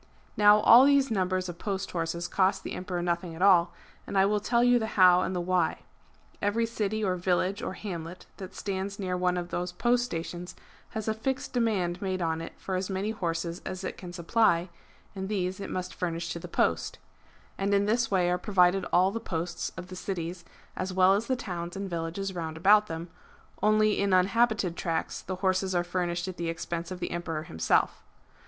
Now all these numbers of post horses cost the Emperor nothing at all ; and I will tell you the how and the why. Every city, or village, or hamlet, that stands near one of those post stations, has a fixed demand made on it for as many horses as it can supply, and these it Chap. XXVI. THE KAAN'S POSTS AND RUNNERS 437 must furnish to the post. And in this way are provided all the posts of the cities, as well as the towns and villages round about them ; only in uninhabited tracts the horses are furnished at the expense of the Emperor himself.